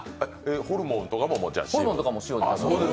ホルモンとかも塩で？